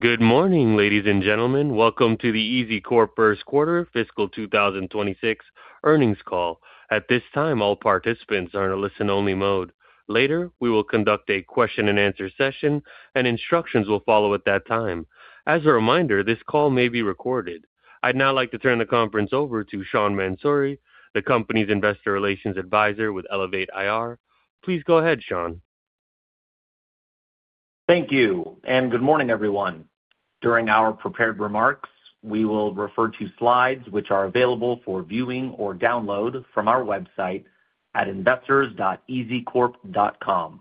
Good morning, ladies and gentlemen. Welcome to the EZCORP first quarter fiscal 2026 earnings call. At this time, all participants are in a listen-only mode. Later, we will conduct a question-and-answer session, and instructions will follow at that time. As a reminder, this call may be recorded. I'd now like to turn the conference over to Sean Mansouri, the company's investor relations advisor with Elevate IR. Please go ahead, Sean. Thank you, and good morning, everyone. During our prepared remarks, we will refer to slides which are available for viewing or download from our website at investors.ezcorp.com.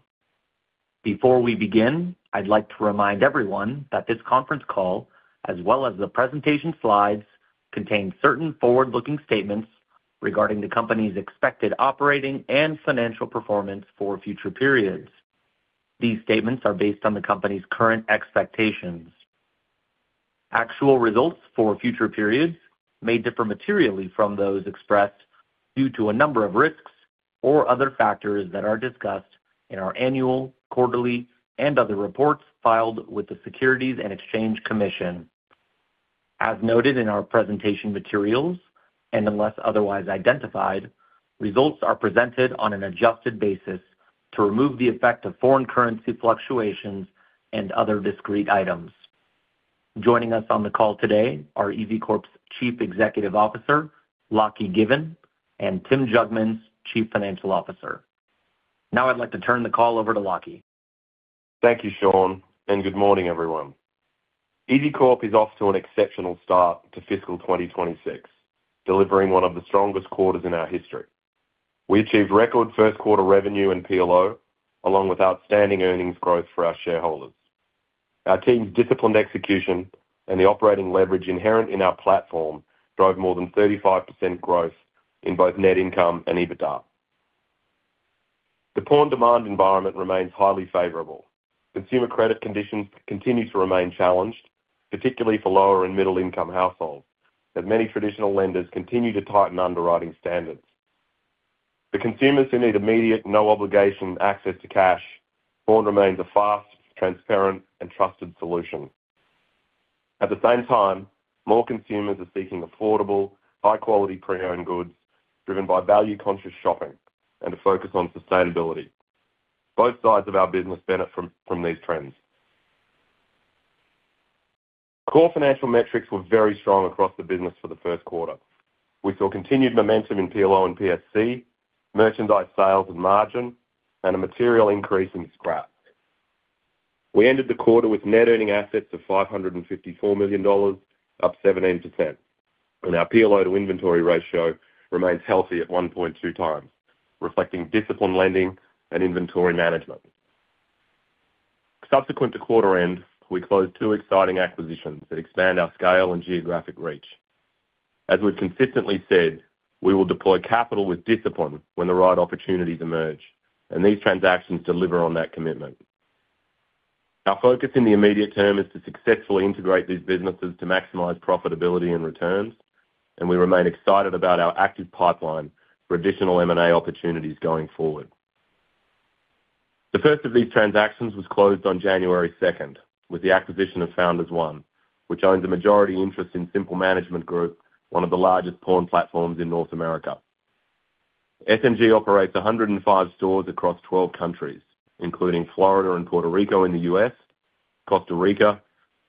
Before we begin, I'd like to remind everyone that this conference call, as well as the presentation slides, contain certain forward-looking statements regarding the company's expected operating and financial performance for future periods. These statements are based on the company's current expectations. Actual results for future periods may differ materially from those expressed due to a number of risks or other factors that are discussed in our annual, quarterly, and other reports filed with the Securities and Exchange Commission. As noted in our presentation materials and unless otherwise identified, results are presented on an adjusted basis to remove the effect of foreign currency fluctuations and other discrete items. Joining us on the call today are EZCORP's Chief Executive Officer Lachlan Given and Tim Jugmans, Chief Financial Officer. Now I'd like to turn the call over to Lachie. Thank you, Sean, and good morning, everyone. EZCORP is off to an exceptional start to fiscal 2026, delivering one of the strongest quarters in our history. We achieved record first-quarter revenue and PLO, along with outstanding earnings growth for our shareholders. Our team's disciplined execution and the operating leverage inherent in our platform drove more than 35% growth in both net income and EBITDA. The pawn demand environment remains highly favorable. Consumer credit conditions continue to remain challenged, particularly for lower and middle-income households, as many traditional lenders continue to tighten underwriting standards. For consumers who need immediate, no-obligation access to cash, pawn remains a fast, transparent, and trusted solution. At the same time, more consumers are seeking affordable, high-quality pre-owned goods driven by value-conscious shopping and a focus on sustainability. Both sides of our business benefit from these trends. Core financial metrics were very strong across the business for the first quarter. We saw continued momentum in PLO and PSC, merchandise sales and margin, and a material increase in scrap. We ended the quarter with net earning assets of $554 million, up 17%, and our PLO to inventory ratio remains healthy at 1.2 times, reflecting disciplined lending and inventory management. Subsequent to quarter-end, we closed two exciting acquisitions that expand our scale and geographic reach. As we've consistently said, we will deploy capital with discipline when the right opportunities emerge, and these transactions deliver on that commitment. Our focus in the immediate term is to successfully integrate these businesses to maximize profitability and returns, and we remain excited about our active pipeline for additional M&A opportunities going forward. The first of these transactions was closed on January 2nd with the acquisition of Founders One, which owns a majority interest in Simple Management Group, one of the largest pawn platforms in North America. SMG operates 105 stores across 12 countries, including Florida and Puerto Rico in the U.S., Costa Rica,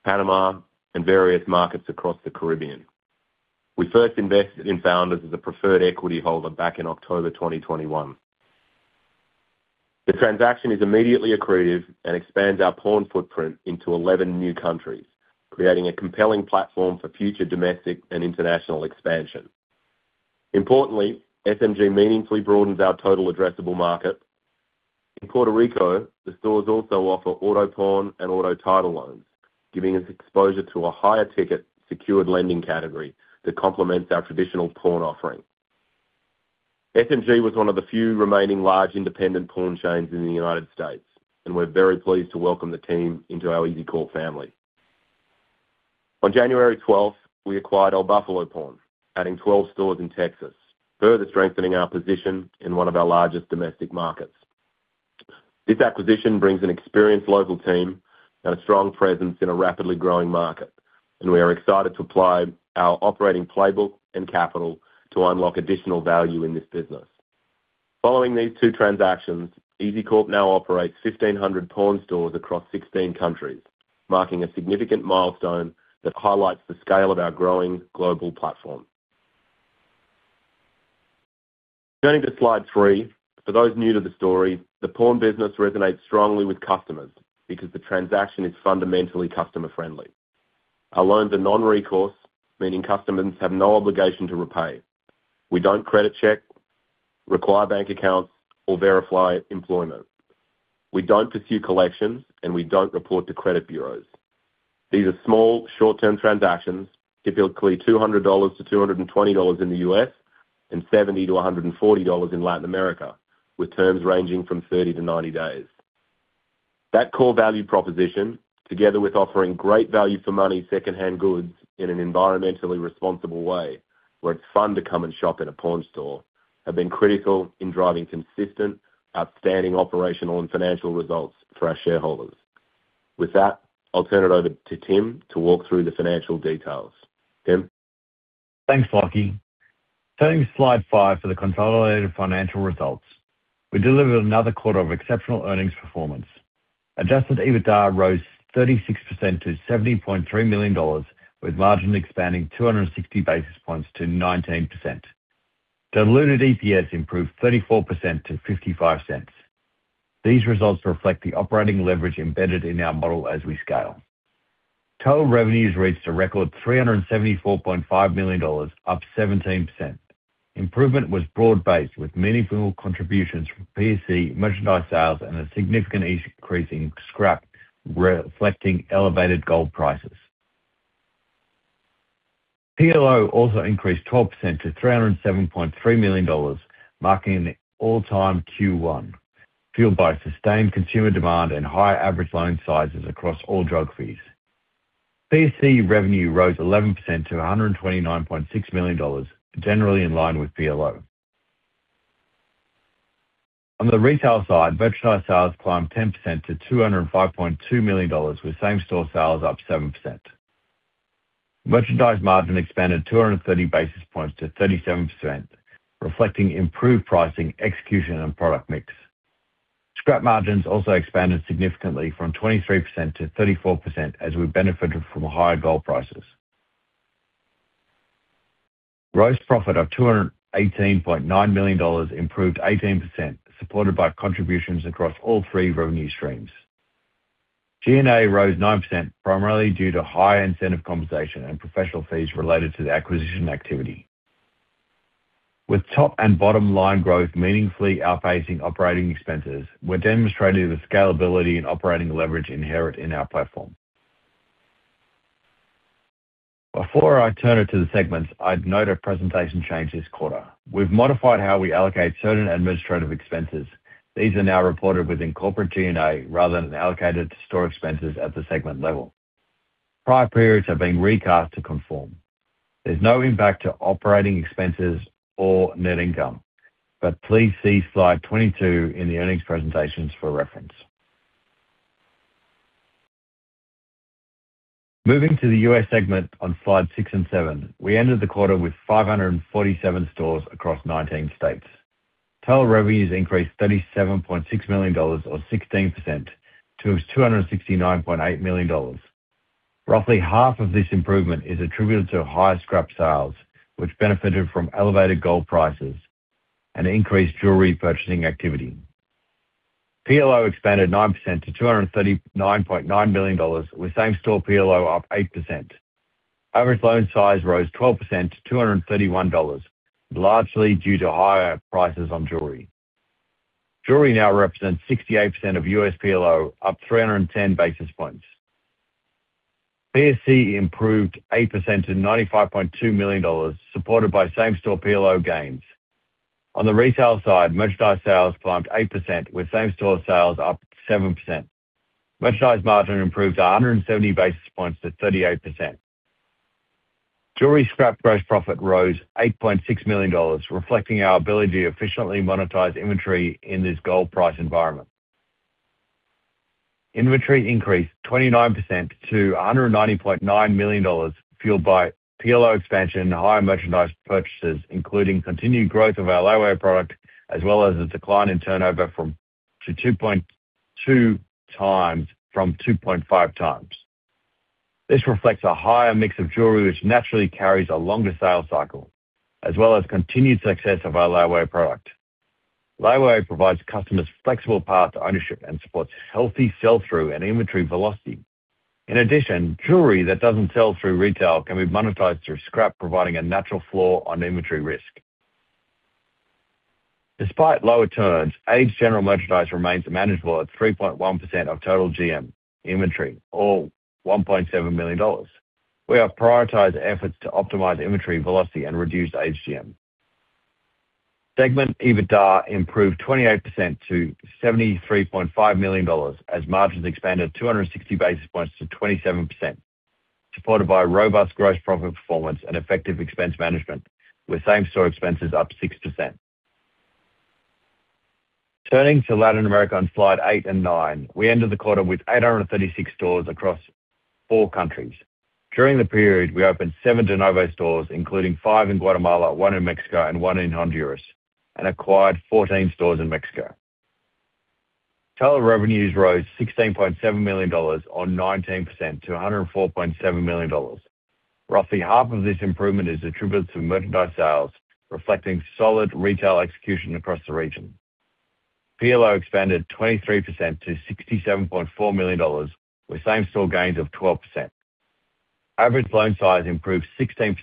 Panama, and various markets across the Caribbean. We first invested in Founders as a preferred equity holder back in October 2021. The transaction is immediately accretive and expands our pawn footprint into 11 new countries, creating a compelling platform for future domestic and international expansion. Importantly, SMG meaningfully broadens our total addressable market. In Puerto Rico, the stores also offer auto pawn and auto title loans, giving us exposure to a higher-ticket, secured lending category that complements our traditional pawn offering. SMG was one of the few remaining large independent pawn chains in the United States, and we're very pleased to welcome the team into our EZCORP family. On January 12th, we acquired El Bufalo Pawn, adding 12 stores in Texas, further strengthening our position in one of our largest domestic markets. This acquisition brings an experienced local team and a strong presence in a rapidly growing market, and we are excited to apply our operating playbook and capital to unlock additional value in this business. Following these two transactions, EZCORP now operates 1,500 pawn stores across 16 countries, marking a significant milestone that highlights the scale of our growing global platform. Turning to slide 3, for those new to the story, the pawn business resonates strongly with customers because the transaction is fundamentally customer-friendly. Our loans are non-recourse, meaning customers have no obligation to repay. We don't credit-check, require bank accounts, or verify employment. We don't pursue collections, and we don't report to credit bureaus. These are small, short-term transactions, typically $200-$220 in the U.S. and $70-$140 in Latin America, with terms ranging from 30-90 days. That core value proposition, together with offering great value-for-money secondhand goods in an environmentally responsible way where it's fun to come and shop in a pawn store, have been critical in driving consistent, outstanding operational and financial results for our shareholders. With that, I'll turn it over to Tim to walk through the financial details. Tim? Thanks, Lachie. Turning to slide 5 for the consolidated financial results. We delivered another quarter of exceptional earnings performance. Adjusted EBITDA rose 36% to $70.3 million, with margin expanding 260 basis points to 19%. Diluted EPS improved 34% to $0.55. These results reflect the operating leverage embedded in our model as we scale. Total revenues reached a record $374.5 million, up 17%. Improvement was broad-based, with meaningful contributions from PSC, merchandise sales, and a significant increase in scrap, reflecting elevated gold prices. PLO also increased 12% to $307.3 million, marking an all-time Q1, fueled by sustained consumer demand and high average loan sizes across all our geographies. PSC revenue rose 11% to $129.6 million, generally in line with PLO. On the retail side, merchandise sales climbed 10% to $205.2 million, with same-store sales up 7%. Merchandise margin expanded 230 basis points to 37%, reflecting improved pricing, execution, and product mix. Scrap margins also expanded significantly from 23% to 34% as we benefited from higher gold prices. Gross profit of $218.9 million improved 18%, supported by contributions across all three revenue streams. G&A rose 9%, primarily due to high incentive compensation and professional fees related to the acquisition activity. With top and bottom line growth meaningfully outpacing operating expenses, we're demonstrating the scalability and operating leverage inherent in our platform. Before I turn it to the segments, I'd note a presentation change this quarter. We've modified how we allocate certain administrative expenses. These are now reported within corporate G&A rather than allocated to store expenses at the segment level. Prior periods have been recast to conform. There's no impact to operating expenses or net income, but please see slide 22 in the earnings presentations for reference. Moving to the US segment on slides 6 and 7, we ended the quarter with 547 stores across 19 states. Total revenues increased $37.6 million, or 16%, to $269.8 million. Roughly half of this improvement is attributed to higher scrap sales, which benefited from elevated gold prices and increased jewelry purchasing activity. PLO expanded 9% to $239.9 million, with same-store PLO up 8%. Average loan size rose 12% to $231, largely due to higher prices on jewelry. Jewelry now represents 68% of US PLO, up 310 basis points. PSC improved 8% to $95.2 million, supported by same-store PLO gains. On the retail side, merchandise sales climbed 8%, with same-store sales up 7%. Merchandise margin improved 170 basis points to 38%. Jewelry scrap gross profit rose $8.6 million, reflecting our ability to efficiently monetize inventory in this gold price environment. Inventory increased 29% to $190.9 million, fueled by PLO expansion and higher merchandise purchases, including continued growth of our Layaway product as well as a decline in turnover to 2.5 times. This reflects a higher mix of jewelry, which naturally carries a longer sale cycle, as well as continued success of our Layaway product. Layaway provides customers flexible paths to ownership and supports healthy sell-through and inventory velocity. In addition, jewelry that doesn't sell through retail can be monetized through scrap, providing a natural floor on inventory risk. Despite lower turns, aged general merchandise remains manageable at 3.1% of total GM inventory, or $1.7 million. We have prioritized efforts to optimize inventory velocity and reduce aged GM. Segment EBITDA improved 28% to $73.5 million as margins expanded 260 basis points to 27%, supported by robust gross profit performance and effective expense management, with same-store expenses up 6%. Turning to Latin America on slides 8 and 9, we ended the quarter with 836 stores across four countries. During the period, we opened seven de novo stores, including five in Guatemala, one in Mexico, and one in Honduras, and acquired 14 stores in Mexico. Total revenues rose $16.7 million on 19% to $104.7 million. Roughly half of this improvement is attributed to merchandise sales, reflecting solid retail execution across the region. PLO expanded 23% to $67.4 million, with same-store gains of 12%. Average loan size improved 16%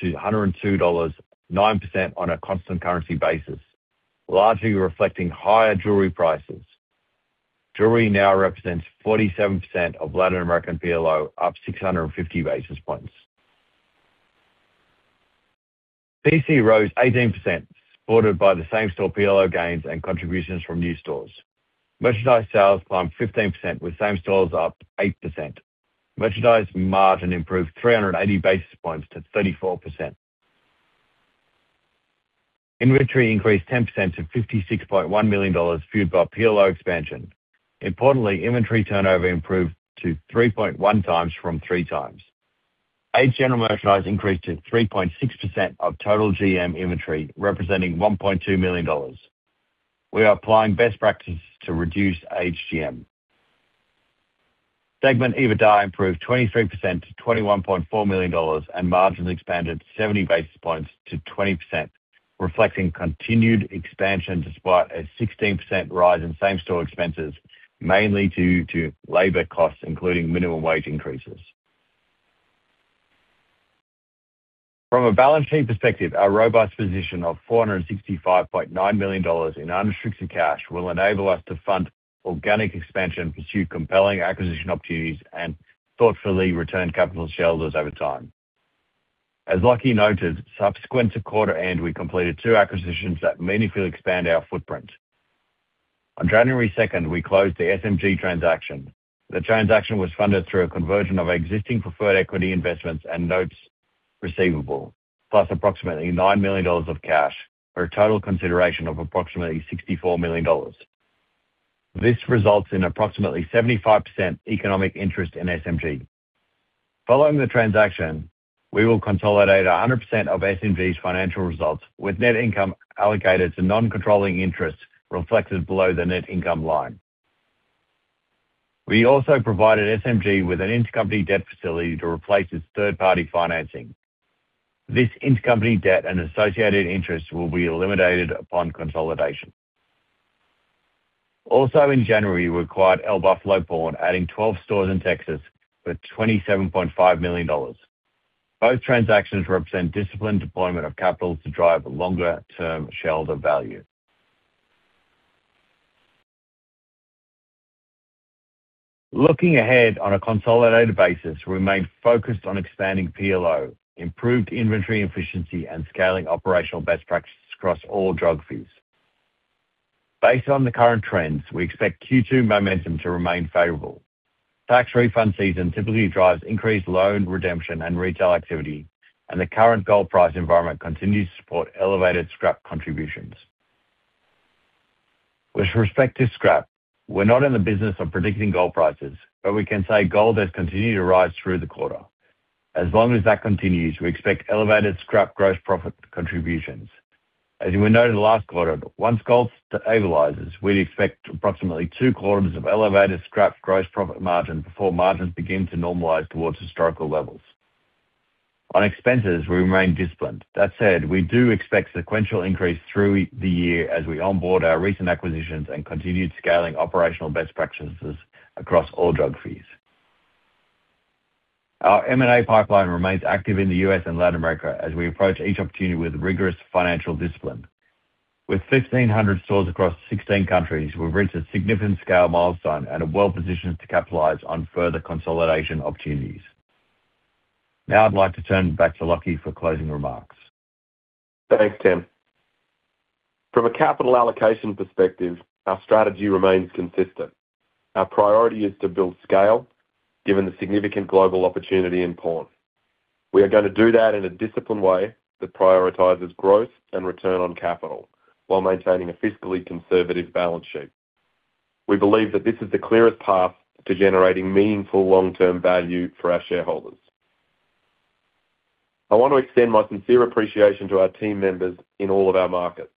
to $102.9 on a constant currency basis, largely reflecting higher jewelry prices. Jewelry now represents 47% of Latin American PLO, up 650 basis points. PC rose 18%, supported by the same-store PLO gains and contributions from new stores. Merchandise sales climbed 15%, with same-stores up 8%. Merchandise margin improved 380 basis points to 34%. Inventory increased 10% to $56.1 million, fueled by PLO expansion. Importantly, inventory turnover improved to 3.1 times from 3 times. Aged general merchandise increased to 3.6% of total GM inventory, representing $1.2 million. We are applying best practices to reduce Aged GM. Segment EBITDA improved 23% to $21.4 million, and margins expanded 70 basis points to 20%, reflecting continued expansion despite a 16% rise in same-store expenses, mainly due to labor costs, including minimum wage increases. From a balance sheet perspective, our robust position of $465.9 million in unrestricted cash will enable us to fund organic expansion, pursue compelling acquisition opportunities, and thoughtfully return capital to shareholders over time. As Lachie noted, subsequent to quarter-end, we completed two acquisitions that meaningfully expand our footprint. On January 2nd, we closed the SMG transaction. The transaction was funded through a conversion of existing preferred equity investments and notes receivable, plus approximately $9 million of cash, for a total consideration of approximately $64 million. This results in approximately 75% economic interest in SMG. Following the transaction, we will consolidate 100% of SMG's financial results, with net income allocated to non-controlling interests reflected below the net income line. We also provided SMG with an intercompany debt facility to replace its third-party financing. This intercompany debt and associated interests will be eliminated upon consolidation. Also, in January, we acquired El Bufalo Pawn, adding 12 stores in Texas for $27.5 million. Both transactions represent disciplined deployment of capital to drive longer-term shareholder value. Looking ahead on a consolidated basis, we remain focused on expanding PLO, improved inventory efficiency, and scaling operational best practices across all geographies. Based on the current trends, we expect Q2 momentum to remain favorable. Tax refund season typically drives increased loan redemption and retail activity, and the current gold price environment continues to support elevated scrap contributions. With respect to scrap, we're not in the business of predicting gold prices, but we can say gold has continued to rise through the quarter. As long as that continues, we expect elevated scrap gross profit contributions. As we noted last quarter, once gold stabilizes, we'd expect approximately two quarters of elevated scrap gross profit margin before margins begin to normalize towards historical levels. On expenses, we remain disciplined. That said, we do expect sequential increase through the year as we onboard our recent acquisitions and continue scaling operational best practices across all our geographies. Our M&A pipeline remains active in the US and Latin America as we approach each opportunity with rigorous financial discipline. With 1,500 stores across 16 countries, we've reached a significant scale milestone and are well-positioned to capitalize on further consolidation opportunities. Now I'd like to turn back to Lachie for closing remarks. Thanks, Tim. From a capital allocation perspective, our strategy remains consistent. Our priority is to build scale, given the significant global opportunity in pawn. We are going to do that in a disciplined way that prioritizes growth and return on capital while maintaining a fiscally conservative balance sheet. We believe that this is the clearest path to generating meaningful long-term value for our shareholders. I want to extend my sincere appreciation to our team members in all of our markets.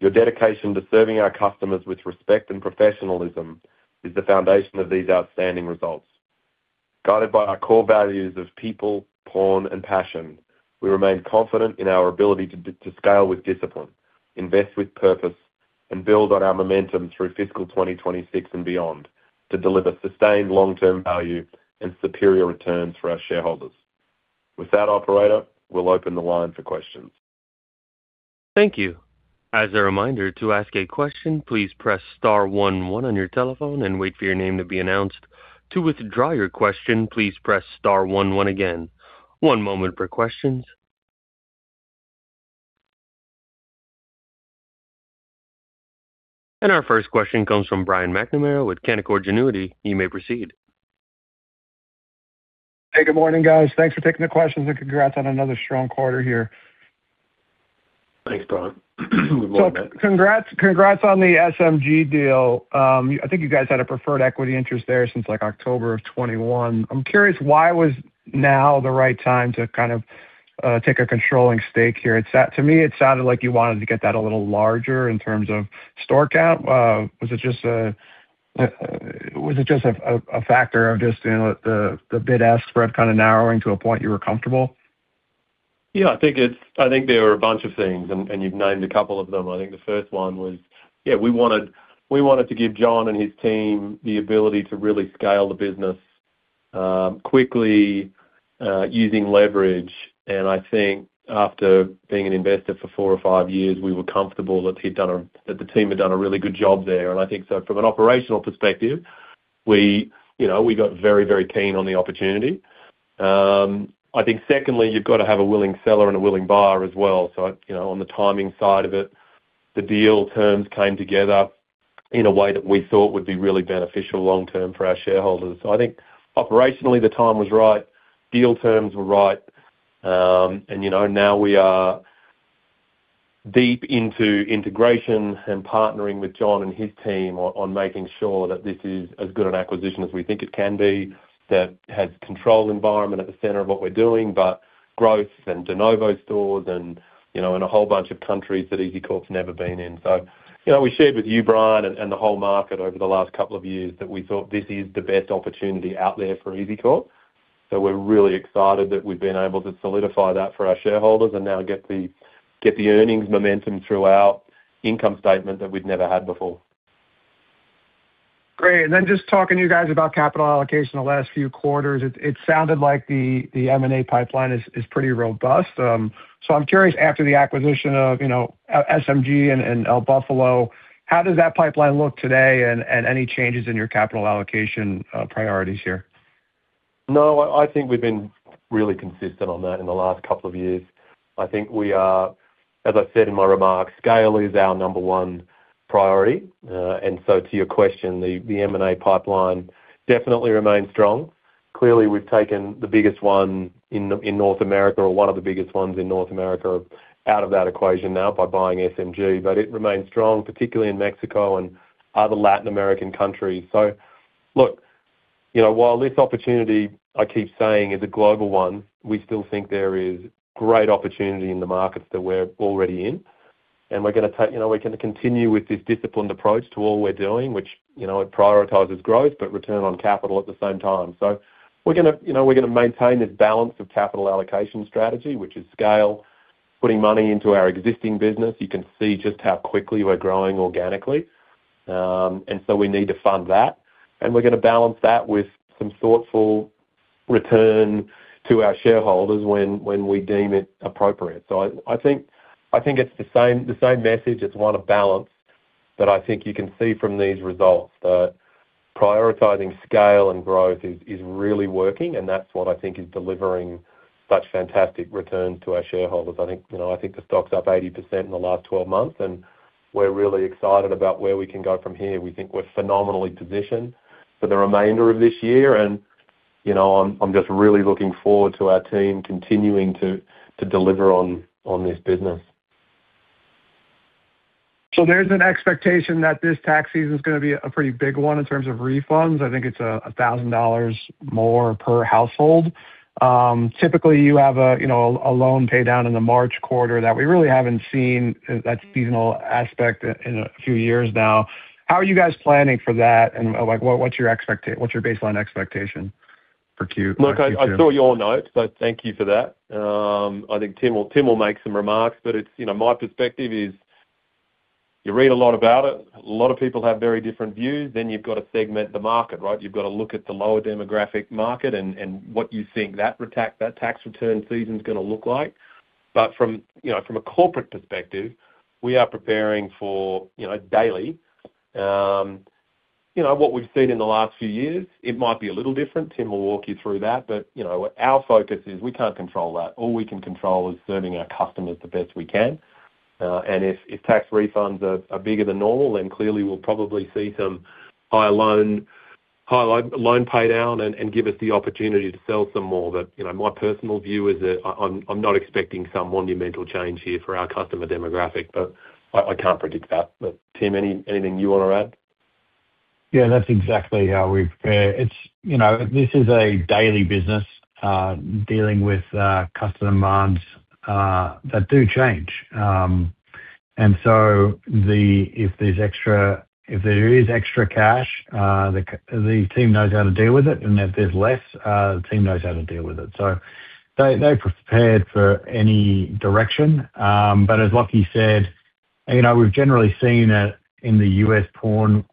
Your dedication to serving our customers with respect and professionalism is the foundation of these outstanding results. Guided by our core values of People, Pawn, and Passion, we remain confident in our ability to scale with discipline, invest with purpose, and build on our momentum through fiscal 2026 and beyond to deliver sustained long-term value and superior returns for our shareholders. With that, operator, we'll open the line for questions. Thank you. As a reminder, to ask a question, please press star 11 on your telephone and wait for your name to be announced. To withdraw your question, please press star 11 again. One moment for questions. And our first question comes from Brian McNamara with Canaccord Genuity. You may proceed. Hey, good morning, guys. Thanks for taking the questions and congrats on another strong quarter here. Thanks, Brian. Good morning. So congrats on the SMG deal. I think you guys had a preferred equity interest there since October of 2021. I'm curious, why was now the right time to kind of take a controlling stake here? To me, it sounded like you wanted to get that a little larger in terms of store count. Was it just a factor of just the bid-ask spread kind of narrowing to a point you were comfortable? Yeah, I think there were a bunch of things, and you've named a couple of them. I think the first one was, yeah, we wanted to give John and his team the ability to really scale the business quickly using leverage. And I think after being an investor for four or five years, we were comfortable that he'd done that the team had done a really good job there. And I think so. From an operational perspective, we got very, very keen on the opportunity. I think, secondly, you've got to have a willing seller and a willing buyer as well. So on the timing side of it, the deal terms came together in a way that we thought would be really beneficial long-term for our shareholders. So I think operationally, the time was right. Deal terms were right. And now we are deep into integration and partnering with John and his team on making sure that this is as good an acquisition as we think it can be, that has control environment at the center of what we're doing, but growth. And de novo stores and a whole bunch of countries that EZCORP's never been in. So we shared with you, Brian, and the whole market over the last couple of years that we thought this is the best opportunity out there for EZCORP. So we're really excited that we've been able to solidify that for our shareholders and now get the earnings momentum throughout income statement that we'd never had before. Great. And then just talking to you guys about capital allocation the last few quarters, it sounded like the M&A pipeline is pretty robust. So I'm curious, after the acquisition of SMG and El Bufalo, how does that pipeline look today and any changes in your capital allocation priorities here? No, I think we've been really consistent on that in the last couple of years. I think we are, as I said in my remarks, scale is our number one priority. And so to your question, the M&A pipeline definitely remains strong. Clearly, we've taken the biggest one in North America, or one of the biggest ones in North America, out of that equation now by buying SMG. But it remains strong, particularly in Mexico and other Latin American countries. So look, while this opportunity, I keep saying, is a global one, we still think there is great opportunity in the markets that we're already in. And we're going to continue with this disciplined approach to all we're doing, which prioritizes growth but return on capital at the same time. We're going to maintain this balance of capital allocation strategy, which is scale, putting money into our existing business. You can see just how quickly we're growing organically. We need to fund that. We're going to balance that with some thoughtful return to our shareholders when we deem it appropriate. I think it's the same message. It's one of balance that I think you can see from these results, that prioritizing scale and growth is really working. That's what I think is delivering such fantastic returns to our shareholders. I think the stock's up 80% in the last 12 months. We're really excited about where we can go from here. We think we're phenomenally positioned for the remainder of this year. I'm just really looking forward to our team continuing to deliver on this business. So there's an expectation that this tax season's going to be a pretty big one in terms of refunds. I think it's $1,000 more per household. Typically, you have a loan paydown in the March quarter that we really haven't seen that seasonal aspect in a few years now. How are you guys planning for that? And what's your baseline expectation for Q2? Look, I saw your note, so thank you for that. I think Tim will make some remarks. My perspective is you read a lot about it. A lot of people have very different views. You've got to segment the market, right? You've got to look at the lower demographic market and what you think that tax return season's going to look like. From a corporate perspective, we are preparing for daily what we've seen in the last few years. It might be a little different. Tim will walk you through that. Our focus is we can't control that. All we can control is serving our customers the best we can. If tax refunds are bigger than normal, then clearly, we'll probably see some higher loan paydown and give us the opportunity to sell some more. But my personal view is that I'm not expecting some monumental change here for our customer demographic. But I can't predict that. But Tim, anything you want to add? Yeah, that's exactly how we prepare. This is a daily business dealing with customer demands that do change. And so if there is extra cash, the team knows how to deal with it. And if there's less, the team knows how to deal with it. So they're prepared for any direction. But as Lachie said, we've generally seen in the US pawn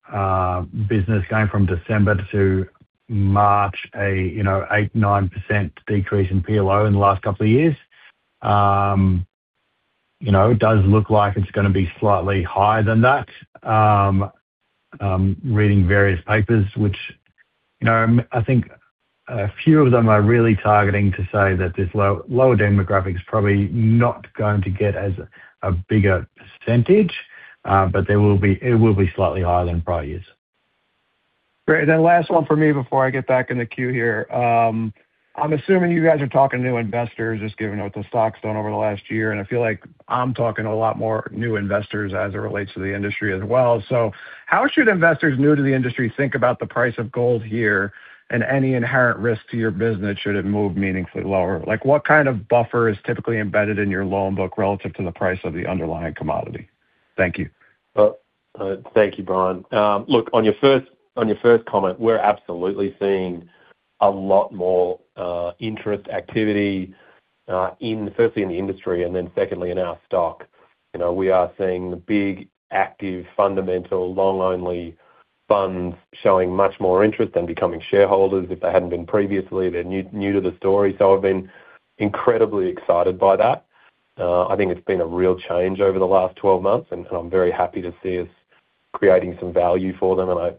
business going from December to March an 8%-9% decrease in PLO in the last couple of years. It does look like it's going to be slightly higher than that, reading various papers, which I think a few of them are really targeting to say that this lower demographic's probably not going to get as a bigger percentage. But it will be slightly higher than prior years. Great. And then last one for me before I get back into Q here. I'm assuming you guys are talking to new investors, just given what the stock's done over the last year. And I feel like I'm talking to a lot more new investors as it relates to the industry as well. So how should investors new to the industry think about the price of gold here and any inherent risk to your business should it move meaningfully lower? What kind of buffer is typically embedded in your loan book relative to the price of the underlying commodity? Thank you. Thank you, Brian. Look, on your first comment, we're absolutely seeing a lot more interest activity, firstly, in the industry and then secondly, in our stock. We are seeing the big active, fundamental, long-only funds showing much more interest than becoming shareholders if they hadn't been previously. They're new to the story. So I've been incredibly excited by that. I think it's been a real change over the last 12 months. And I'm very happy to see us creating some value for them. And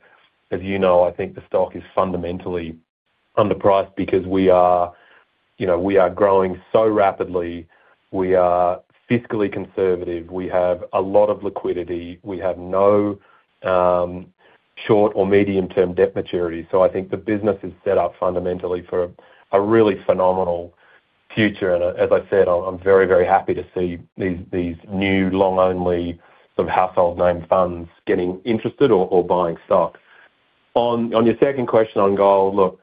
as you know, I think the stock is fundamentally underpriced because we are growing so rapidly. We are fiscally conservative. We have a lot of liquidity. We have no short or medium-term debt maturity. So I think the business is set up fundamentally for a really phenomenal future. As I said, I'm very, very happy to see these new long-only sort of household-named funds getting interested or buying stock. On your second question on gold, look,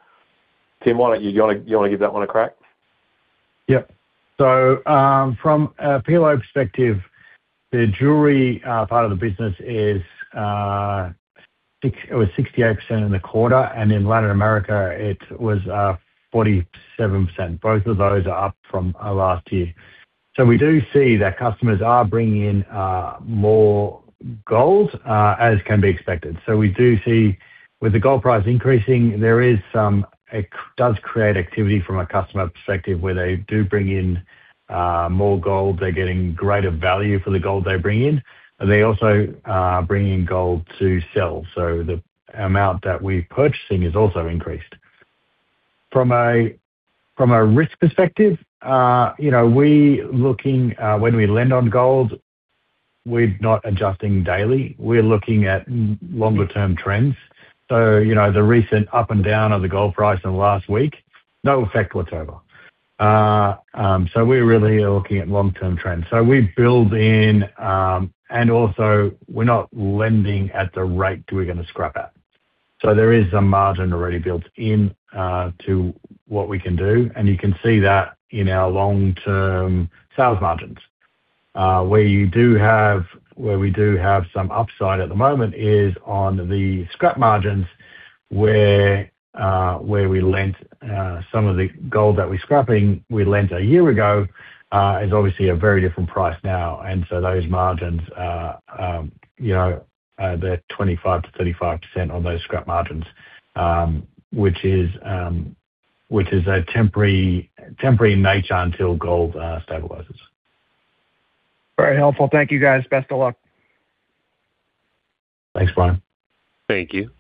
Tim, why don't you want to give that one a crack? Yep. So from a PLO perspective, the jewelry part of the business is 68% in the quarter. And in Latin America, it was 47%. Both of those are up from last year. So we do see that customers are bringing in more gold, as can be expected. So we do see, with the gold price increasing, there is some it does create activity from a customer perspective where they do bring in more gold. They're getting greater value for the gold they bring in. And they also bring in gold to sell. So the amount that we're purchasing is also increased. From a risk perspective, when we lend on gold, we're not adjusting daily. We're looking at longer-term trends. So the recent up and down of the gold price in the last week, no effect whatsoever. So we're really looking at long-term trends. So we build in, and also, we're not lending at the rate we're going to scrap at. So there is a margin already built in to what we can do. And you can see that in our long-term sales margins. Where we do have some upside at the moment is on the scrap margins where we lent some of the gold that we're scrapping, we lent a year ago, is obviously a very different price now. And so those margins, they're 25%-35% on those scrap margins, which is temporary in nature until gold stabilizes. Very helpful. Thank you, guys. Best of luck. Thanks, Brian. Thank you.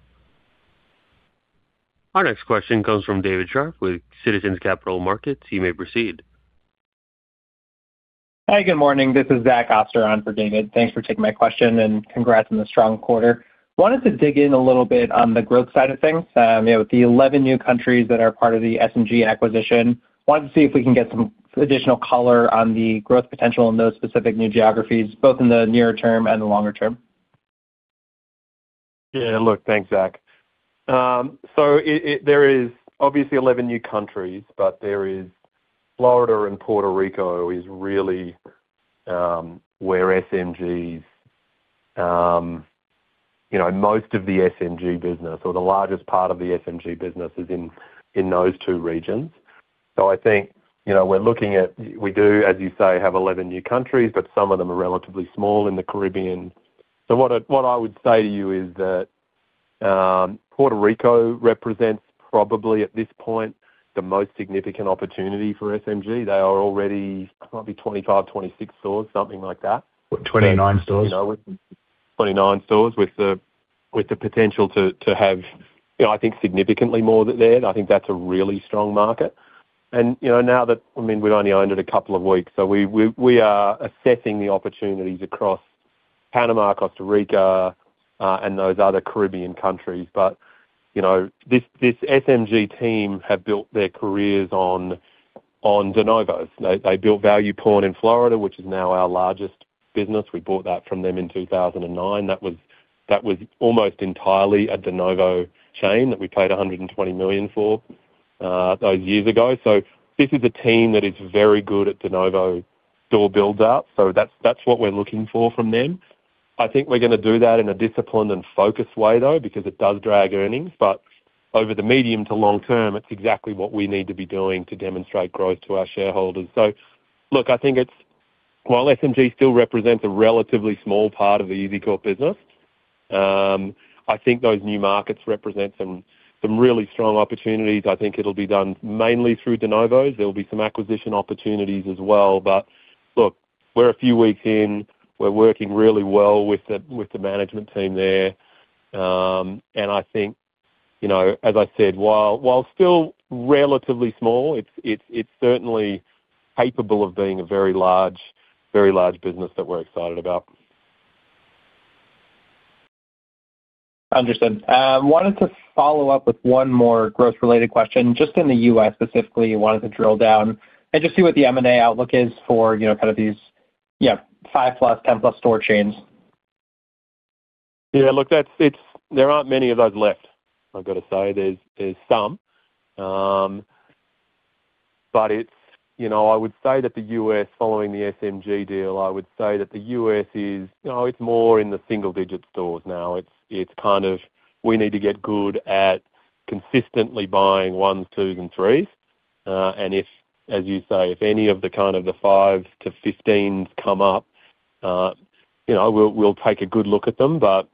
Our next question comes from David Scharf with Citizens Capital Markets. You may proceed. Hey, good morning. This is Zach Oster for David. Thanks for taking my question and congrats on the strong quarter. I wanted to dig in a little bit on the growth side of things. With the 11 new countries that are part of the SMG acquisition, I wanted to see if we can get some additional color on the growth potential in those specific new geographies, both in the nearer term and the longer term? Yeah. Look, thanks, Zach. So there is obviously 11 new countries, but Florida and Puerto Rico is really where SMG's most of the SMG business, or the largest part of the SMG business, is in those two regions. So I think we're looking at we do, as you say, have 11 new countries, but some of them are relatively small in the Caribbean. So what I would say to you is that Puerto Rico represents probably, at this point, the most significant opportunity for SMG. They are already, it might be 25, 26 stores, something like that. 29 stores. 29 stores with the potential to have, I think, significantly more there. I think that's a really strong market. And now that I mean, we've only owned it a couple of weeks. So we are assessing the opportunities across Panama, Costa Rica, and those other Caribbean countries. But this SMG team have built their careers on de novos. They built Value Pawn in Florida, which is now our largest business. We bought that from them in 2009. That was almost entirely a de novo chain that we paid $120 million for those years ago. So this is a team that is very good at de novo store build-outs. So that's what we're looking for from them. I think we're going to do that in a disciplined and focused way, though, because it does drag earnings. But over the medium to long term, it's exactly what we need to be doing to demonstrate growth to our shareholders. So look, I think it's while SMG still represents a relatively small part of the EZCORP business, I think those new markets represent some really strong opportunities. I think it'll be done mainly through de novos. There'll be some acquisition opportunities as well. But look, we're a few weeks in. We're working really well with the management team there. And I think, as I said, while still relatively small, it's certainly capable of being a very large business that we're excited about. Understood. I wanted to follow up with one more growth-related question. Just in the U.S. specifically, I wanted to drill down and just see what the M&A outlook is for kind of these 5+, 10+ store chains. Yeah. Look, there aren't many of those left, I've got to say. There's some. But I would say that the US, following the SMG deal, I would say that the US is it's more in the single-digit stores now. It's kind of we need to get good at consistently buying ones, twos, and threes. And as you say, if any of the kind of the 5s to 15s come up, we'll take a good look at them. But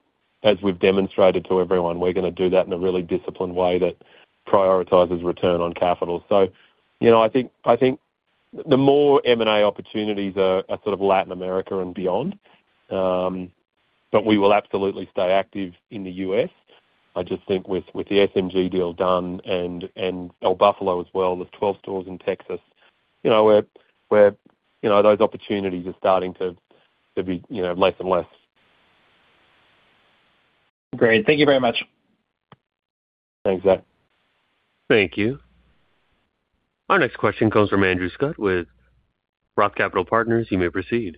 as we've demonstrated to everyone, we're going to do that in a really disciplined way that prioritizes return on capital. So I think the more M&A opportunities are sort of Latin America and beyond, but we will absolutely stay active in the US. I just think with the SMG deal done and El Bufalo as well, there's 12 stores in Texas where those opportunities are starting to be less and less. Great. Thank you very much. Thanks, Zach. Thank you. Our next question comes from Andrew Scutt with Roth Capital Partners. You may proceed.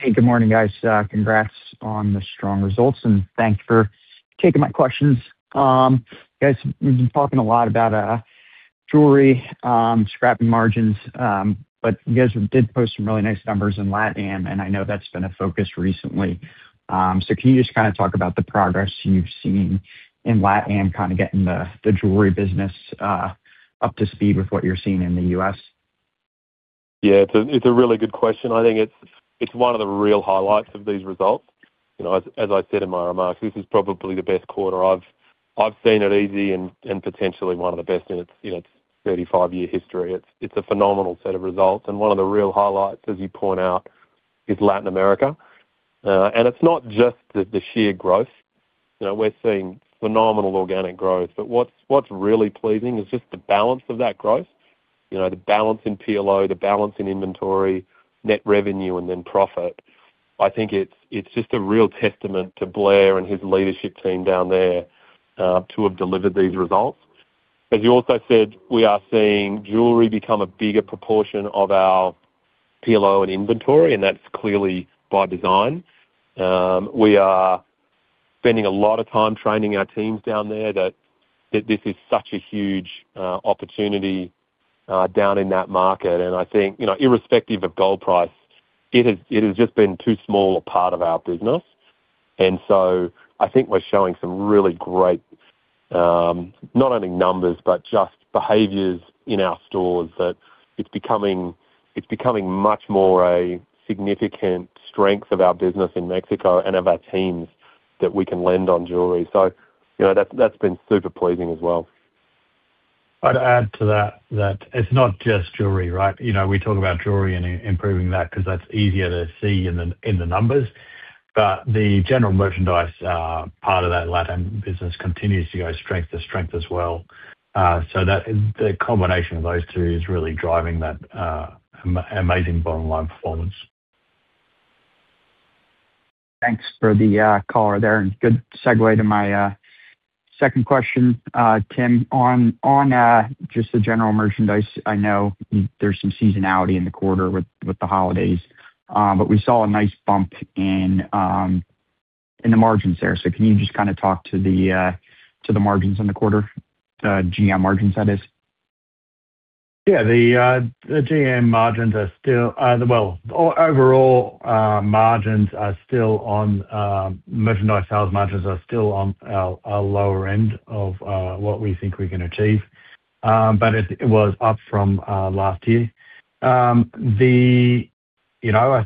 Hey, good morning, guys. Congrats on the strong results. And thanks for taking my questions. You guys have been talking a lot about jewelry, scrapping margins. But you guys did post some really nice numbers in LatAm. And I know that's been a focus recently. So can you just kind of talk about the progress you've seen in LatAm kind of getting the jewelry business up to speed with what you're seeing in the US? Yeah. It's a really good question. I think it's one of the real highlights of these results. As I said in my remarks, this is probably the best quarter I've seen. It's easily and potentially one of the best in its 35-year history. It's a phenomenal set of results. And one of the real highlights, as you point out, is Latin America. And it's not just the sheer growth. We're seeing phenomenal organic growth. But what's really pleasing is just the balance of that growth, the balance in PLO, the balance in inventory, net revenue, and then profit. I think it's just a real testament to Blair and his leadership team down there to have delivered these results. As you also said, we are seeing jewelry become a bigger proportion of our PLO and inventory. And that's clearly by design. We are spending a lot of time training our teams down there that this is such a huge opportunity down in that market. And I think, irrespective of gold price, it has just been too small a part of our business. And so I think we're showing some really great not only numbers, but just behaviors in our stores that it's becoming much more a significant strength of our business in Mexico and of our teams that we can lend on jewelry. So that's been super pleasing as well. I'd add to that that it's not just jewelry, right? We talk about jewelry and improving that because that's easier to see in the numbers. But the general merchandise part of that LatAm business continues to go strength to strength as well. So the combination of those two is really driving that amazing bottom-line performance. Thanks for the color there. Good segue to my second question, Tim. On just the general merchandise, I know there's some seasonality in the quarter with the holidays. But we saw a nice bump in the margins there. So can you just kind of talk to the margins in the quarter, the GM margins, that is? Yeah. The GM margins are still, well, overall margins are still on merchandise sales margins are still on our lower end of what we think we can achieve. But it was up from last year. I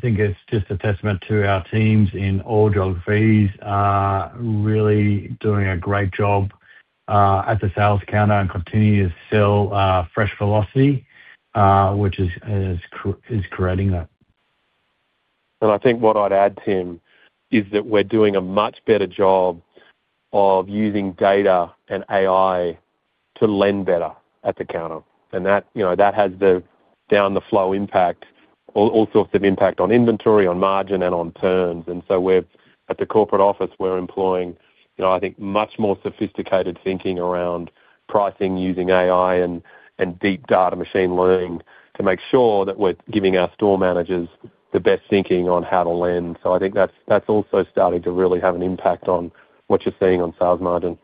think it's just a testament to our teams in all geographies really doing a great job at the sales counter and continuing to sell fresh velocity, which is creating that. I think what I'd add, Tim, is that we're doing a much better job of using data and AI to lend better at the counter. And that has the down-the-flow impact, all sorts of impact on inventory, on margin, and on turns. And so at the corporate office, we're employing, I think, much more sophisticated thinking around pricing using AI and deep data machine learning to make sure that we're giving our store managers the best thinking on how to lend. So I think that's also starting to really have an impact on what you're seeing on sales margin.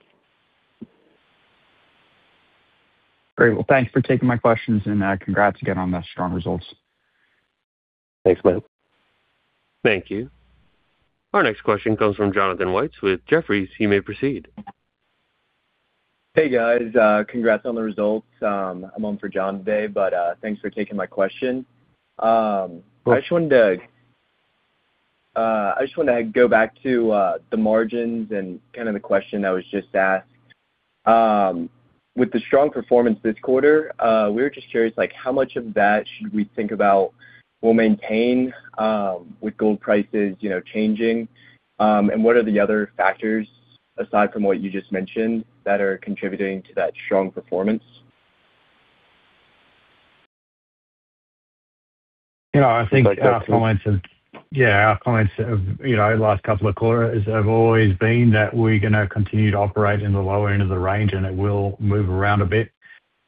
Very well. Thanks for taking my questions. And congrats again on the strong results. Thanks, mate. Thank you. Our next question comes from Jonathan Waites with Jefferies. You may proceed. Hey, guys. Congrats on the results. I'm on for John today. But thanks for taking my question. I just wanted to go back to the margins and kind of the question that was just asked. With the strong performance this quarter, we were just curious how much of that should we think about we'll maintain with gold prices changing? And what are the other factors, aside from what you just mentioned, that are contributing to that strong performance? I think our comments over the last couple of quarters have always been that we're going to continue to operate in the lower end of the range. It will move around a bit.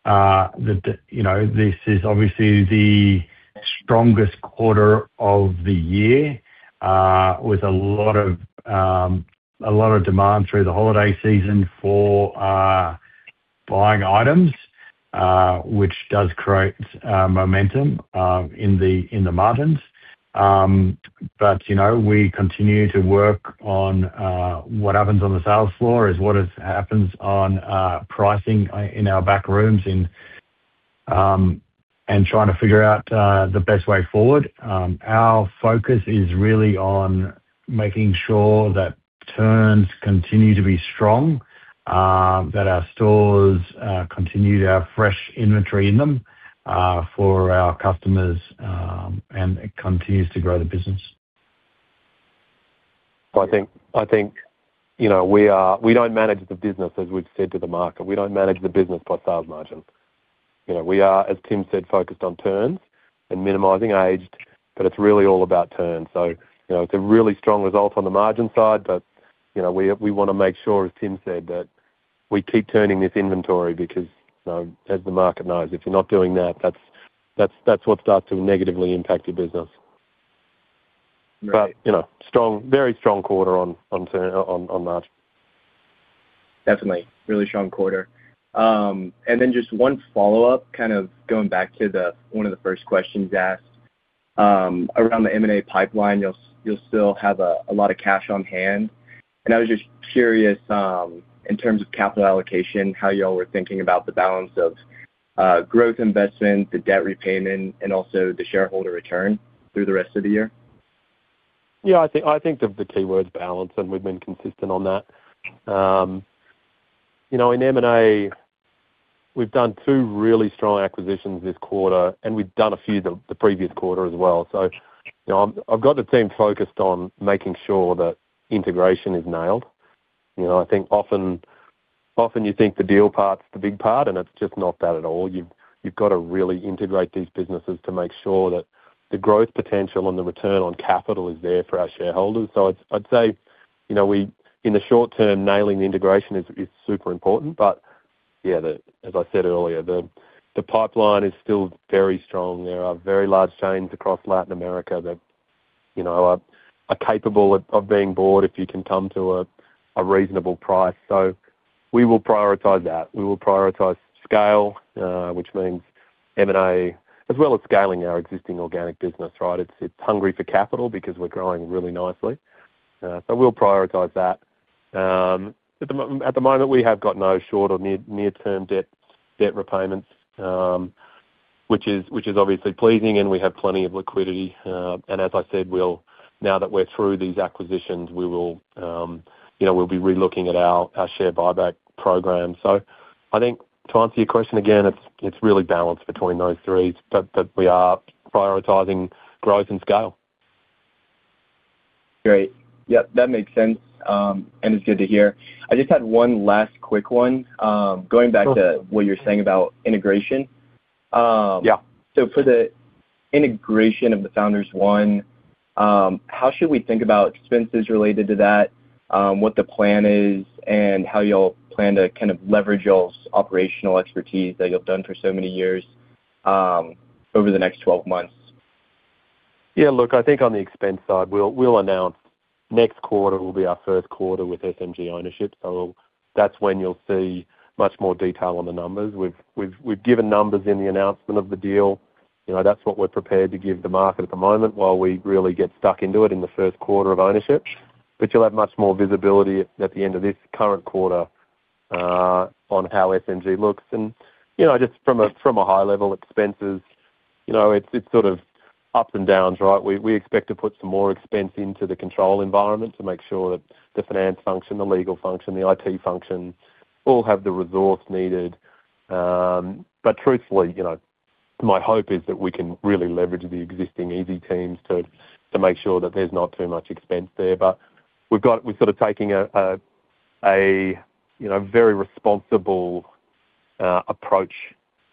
This is obviously the strongest quarter of the year with a lot of demand through the holiday season for buying items, which does create momentum in the margins. But we continue to work on what happens on the sales floor as what happens on pricing in our backrooms and trying to figure out the best way forward. Our focus is really on making sure that turns continue to be strong, that our stores continue to have fresh inventory in them for our customers, and it continues to grow the business. So I think we don't manage the business, as we've said, to the market. We don't manage the business by sales margin. We are, as Tim said, focused on turns and minimizing aged. But it's really all about turns. So it's a really strong result on the margin side. But we want to make sure, as Tim said, that we keep turning this inventory because, as the market knows, if you're not doing that, that's what starts to negatively impact your business. But very strong quarter on margin. Definitely. Really strong quarter. And then just one follow-up, kind of going back to one of the first questions asked. Around the M&A pipeline, you'll still have a lot of cash on hand. And I was just curious, in terms of capital allocation, how y'all were thinking about the balance of growth investment, the debt repayment, and also the shareholder return through the rest of the year. Yeah. I think the keyword's balance. And we've been consistent on that. In M&A, we've done two really strong acquisitions this quarter. And we've done a few the previous quarter as well. So I've got the team focused on making sure that integration is nailed. I think often you think the deal part's the big part. And it's just not that at all. You've got to really integrate these businesses to make sure that the growth potential and the return on capital is there for our shareholders. So I'd say, in the short term, nailing the integration is super important. But yeah, as I said earlier, the pipeline is still very strong. There are very large chains across Latin America that are capable of being bought if you can come to a reasonable price. So we will prioritize that. We will prioritize scale, which means M&A, as well as scaling our existing organic business, right? It's hungry for capital because we're growing really nicely. So we'll prioritize that. At the moment, we have got no short or near-term debt repayments, which is obviously pleasing. And we have plenty of liquidity. And as I said, now that we're through these acquisitions, we will be relooking at our share buyback program. So I think, to answer your question again, it's really balanced between those three. But we are prioritizing growth and scale. Great. Yep. That makes sense. It's good to hear. I just had one last quick one, going back to what you're saying about integration. So for the integration of the Founders One, how should we think about expenses related to that, what the plan is, and how y'all plan to kind of leverage y'all's operational expertise that you've done for so many years over the next 12 months? Yeah. Look, I think on the expense side, we'll announce next quarter will be our first quarter with SMG ownership. So that's when you'll see much more detail on the numbers. We've given numbers in the announcement of the deal. That's what we're prepared to give the market at the moment while we really get stuck into it in the first quarter of ownership. But you'll have much more visibility at the end of this current quarter on how SMG looks. And just from a high level, expenses, it's sort of ups and downs, right? We expect to put some more expense into the control environment to make sure that the finance function, the legal function, the IT function all have the resource needed. But truthfully, my hope is that we can really leverage the existing EZ teams to make sure that there's not too much expense there. But we're sort of taking a very responsible approach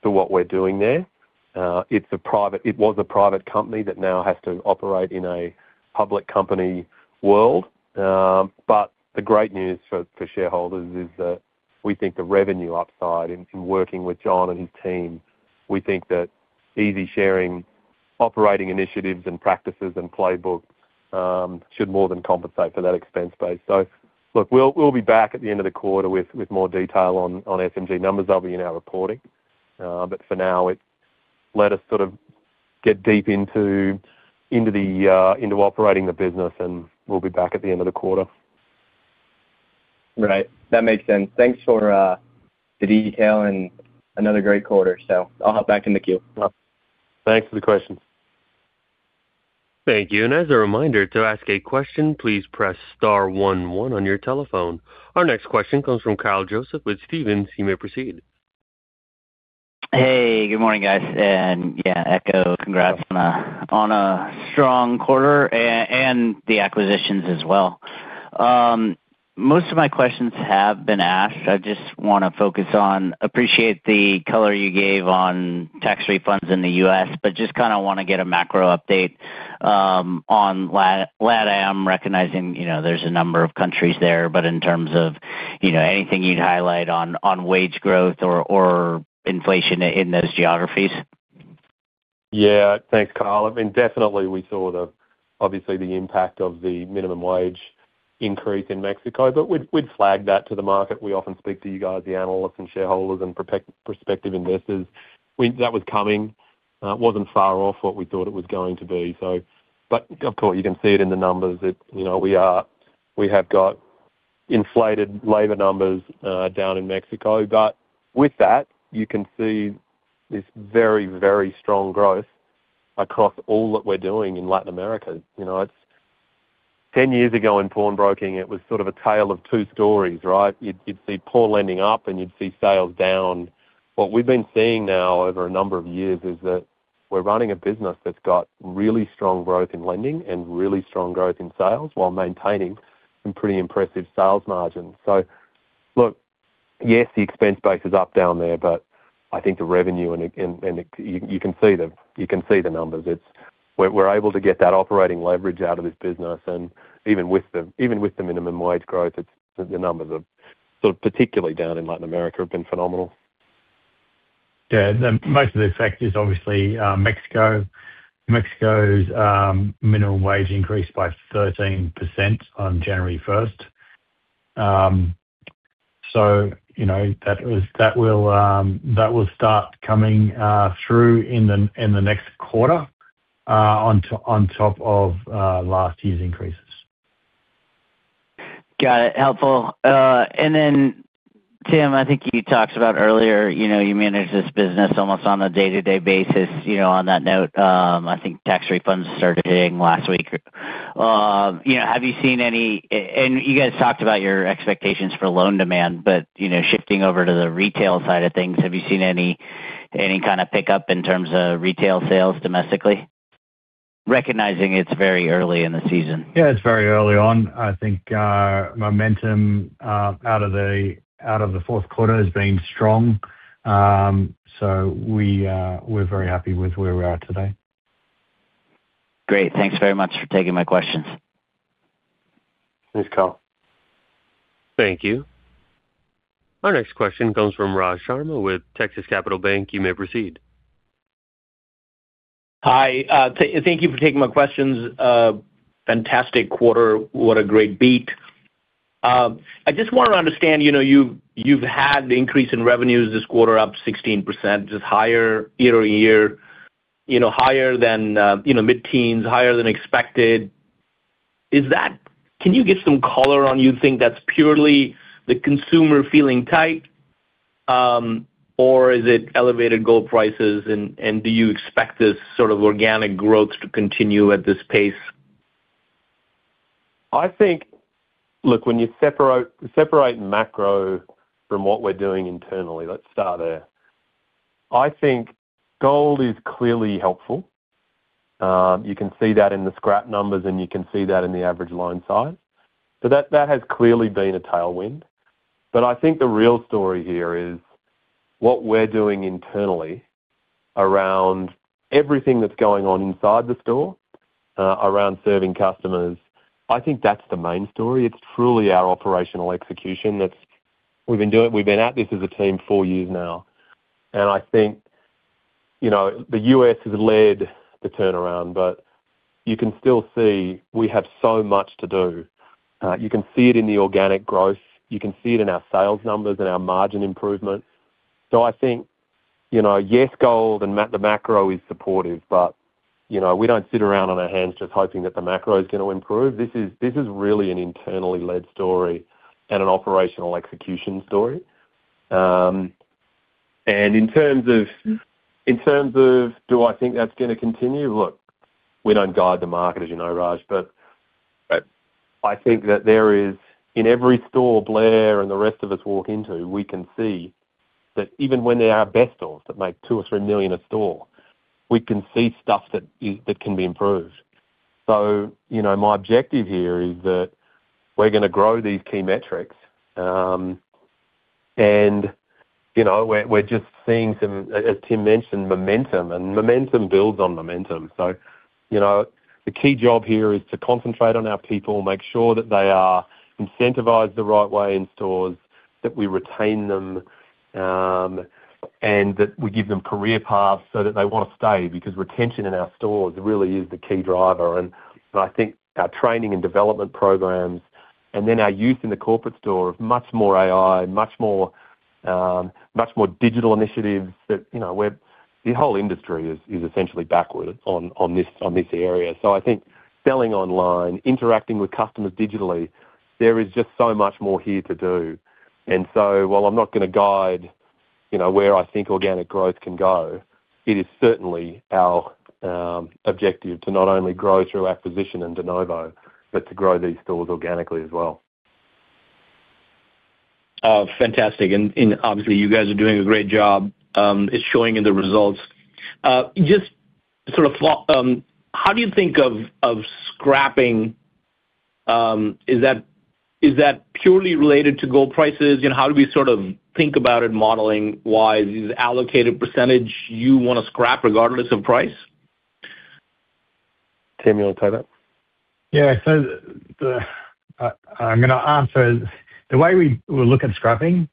to what we're doing there. It was a private company that now has to operate in a public company world. But the great news for shareholders is that we think the revenue upside in working with John and his team, we think that EZCORP's operating initiatives and practices and playbook should more than compensate for that expense base. So look, we'll be back at the end of the quarter with more detail on SMG numbers that'll be in our reporting. But for now, let us sort of get deep into operating the business. And we'll be back at the end of the quarter. Right. That makes sense. Thanks for the detail and another great quarter. So I'll hop back into queue. Thanks for the questions. Thank you. And as a reminder, to ask a question, please press star 11 on your telephone. Our next question comes from Kyle Joseph with Stephens Inc. You may proceed. Hey. Good morning, guys. And yeah, EZCORP, congrats on a strong quarter and the acquisitions as well. Most of my questions have been asked. I just want to focus on appreciate the color you gave on tax refunds in the US. But just kind of want to get a macro update on LatAm. Recognizing there's a number of countries there. But in terms of anything you'd highlight on wage growth or inflation in those geographies? Yeah. Thanks, Kyle. I mean, definitely, we saw obviously the impact of the minimum wage increase in Mexico. But we'd flag that to the market. We often speak to you guys, the analysts and shareholders and prospective investors. That was coming. It wasn't far off what we thought it was going to be. But of course, you can see it in the numbers. We have got inflated labor numbers down in Mexico. But with that, you can see this very, very strong growth across all that we're doing in Latin America. 10 years ago in pawn broking, it was sort of a tale of two stories, right? You'd see pawn lending up. And you'd see sales down. What we've been seeing now over a number of years is that we're running a business that's got really strong growth in lending and really strong growth in sales while maintaining some pretty impressive sales margins. So look, yes, the expense base is up down there. But I think the revenue and you can see the numbers. We're able to get that operating leverage out of this business. And even with the minimum wage growth, the numbers are sort of particularly down in Latin America have been phenomenal. Yeah. Most of the effect is obviously Mexico. Mexico's minimum wage increased by 13% on January 1st. So that will start coming through in the next quarter on top of last year's increases. Got it. Helpful. And then, Tim, I think you talked about earlier you manage this business almost on a day-to-day basis. On that note, I think tax refunds started hitting last week. Have you seen any, and you guys talked about your expectations for loan demand. But shifting over to the retail side of things, have you seen any kind of pickup in terms of retail sales domestically? Recognizing it's very early in the season. Yeah. It's very early on. I think momentum out of the fourth quarter has been strong. So we're very happy with where we are today. Great. Thanks very much for taking my questions. Thanks, Carl. Thank you. Our next question comes from Raj Sharma with Texas Capital Bank. You may proceed. Hi. Thank you for taking my questions. Fantastic quarter. What a great beat. I just want to understand you've had the increase in revenues this quarter up 16%, just year-over-year, higher than mid-teens, higher than expected. Can you get some color on you think that's purely the consumer feeling tight? Or is it elevated gold prices? And do you expect this sort of organic growth to continue at this pace? Look, when you separate macro from what we're doing internally, let's start there. I think gold is clearly helpful. You can see that in the scrap numbers. And you can see that in the average loan size. So that has clearly been a tailwind. But I think the real story here is what we're doing internally around everything that's going on inside the store, around serving customers. I think that's the main story. It's truly our operational execution that we've been at this as a team four years now. I think the U.S. has led the turnaround. But you can still see we have so much to do. You can see it in the organic growth. You can see it in our sales numbers and our margin improvements. So I think, yes, gold and the macro is supportive. But we don't sit around on our hands just hoping that the macro is going to improve. This is really an internally led story and an operational execution story. And in terms of do I think that's going to continue? Look, we don't guide the market, as you know, Raj. I think that there is in every store Blair and the rest of us walk into, we can see that even when they are bestsellers that make $2 million or $3 million a store, we can see stuff that can be improved. My objective here is that we're going to grow these key metrics. We're just seeing some, as Tim mentioned, momentum. Momentum builds on momentum. The key job here is to concentrate on our people, make sure that they are incentivized the right way in stores, that we retain them, and that we give them career paths so that they want to stay because retention in our stores really is the key driver. And I think our training and development programs and then our use in the corporate store of much more AI, much more digital initiatives that the whole industry is essentially backward on this area. So I think selling online, interacting with customers digitally, there is just so much more here to do. And so while I'm not going to guide where I think organic growth can go, it is certainly our objective to not only grow through acquisition and de novo but to grow these stores organically as well. Fantastic. And obviously, you guys are doing a great job. It's showing in the results. Just sort of how do you think of scrapping? Is that purely related to gold prices? How do we sort of think about it modeling-wise? Is it allocated percentage you want to scrap regardless of price? Tim, you want to take that? Yeah. So I'm going to answer. The way we look at scrapping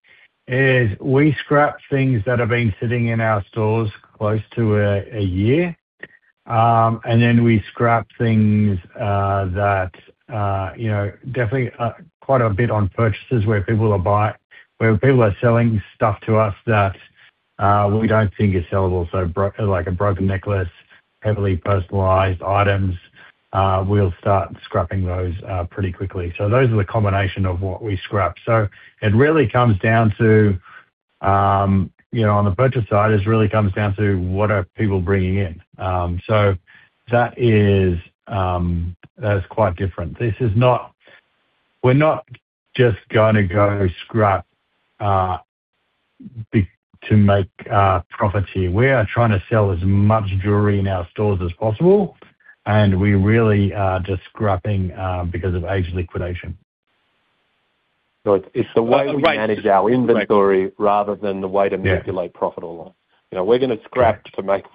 is we scrap things that have been sitting in our stores close to a year. And then we scrap things that definitely quite a bit on purchases where people are buying where people are selling stuff to us that we don't think is sellable. So like a broken necklace, heavily personalized items, we'll start scrapping those pretty quickly. So those are the combination of what we scrap. So it really comes down to on the purchase side, it really comes down to what are people bringing in. So that is quite different. We're not just going to go scrap to make profits here. We are trying to sell as much jewelry in our stores as possible. And we really are just scrapping because of age liquidation. So it's the way we manage our inventory rather than the way to manipulate profit or loss. We're going to scrap to make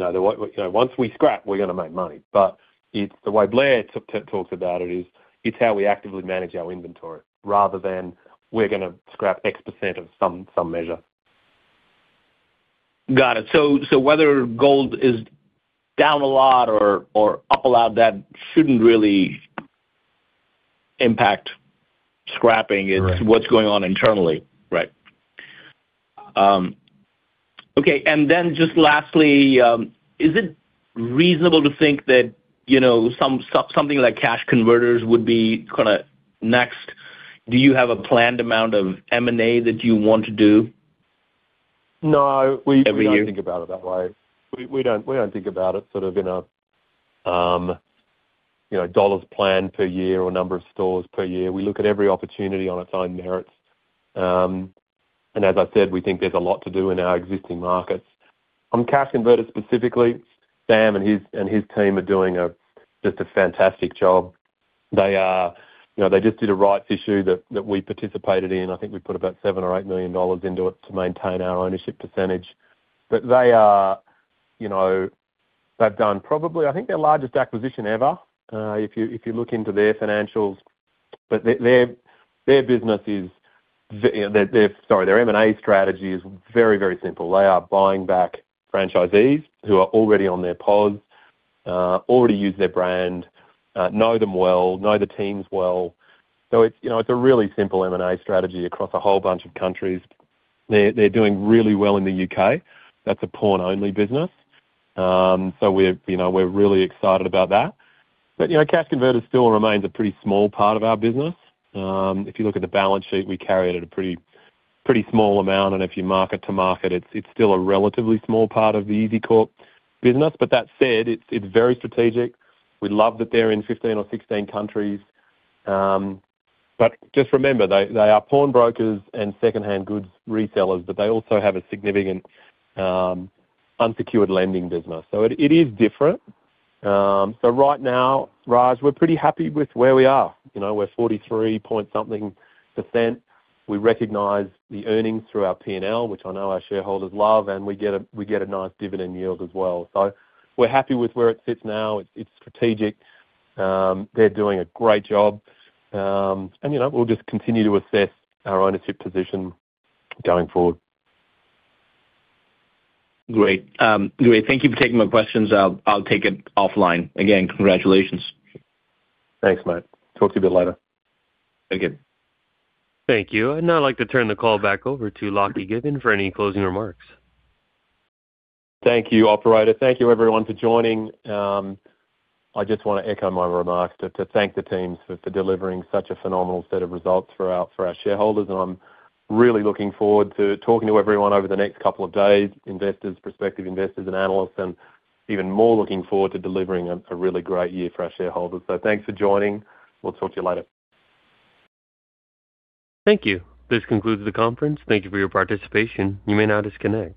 money. Once we scrap, we're going to make money. But the way Blair talks about it is it's how we actively manage our inventory rather than we're going to scrap X% of some measure. Got it. So whether gold is down a lot or up a lot, that shouldn't really impact scrapping. It's what's going on internally, right? Okay. And then just lastly, is it reasonable to think that something like Cash Converters would be kind of next? Do you have a planned amount of M&A that you want to do every year? No. We don't think about it that way. We don't think about it sort of in a dollars plan per year or number of stores per year. We look at every opportunity on its own merits. And as I said, we think there's a lot to do in our existing markets. On Cash Converters specifically, Sam and his team are doing just a fantastic job. They just did a rights issue that we participated in. I think we put about $7 million-$8 million into it to maintain our ownership percentage. But they've done probably I think their largest acquisition ever if you look into their financials. But their business is, sorry, their M&A strategy is very, very simple. They are buying back franchisees who are already on their platform, already use their brand, know them well, know the teams well. So it's a really simple M&A strategy across a whole bunch of countries. They're doing really well in the U.K. That's a pawn-only business. So we're really excited about that. But Cash Converters still remains a pretty small part of our business. If you look at the balance sheet, we carry it at a pretty small amount. And if you mark to market, it's still a relatively small part of the EZCORP business. But that said, it's very strategic. We love that they're in 15 or 16 countries. But just remember, they are pawnbrokers and secondhand goods resellers. But they also have a significant unsecured lending business. So it is different. So right now, Raj, we're pretty happy with where we are. We're 43-point-something%. We recognize the earnings through our P&L, which I know our shareholders love. And we get a nice dividend yield as well. So we're happy with where it sits now. It's strategic. They're doing a great job. And we'll just continue to assess our ownership position going forward. Great. Great. Thank you for taking my questions. I'll take it offline. Again, congratulations. Thanks, mate. Talk to you a bit later. Okay. Thank you. And now I'd like to turn the call back over to Lachlan Given for any closing remarks. Thank you, operator. Thank you, everyone, for joining. I just want to echo my remarks to thank the teams for delivering such a phenomenal set of results for our shareholders. I'm really looking forward to talking to everyone over the next couple of days, prospective investors and analysts. Even more looking forward to delivering a really great year for our shareholders. Thanks for joining. We'll talk to you later. Thank you. This concludes the conference. Thank you for your participation. You may now disconnect.